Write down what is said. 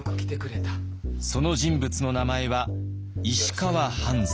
その人物の名前は石川半山。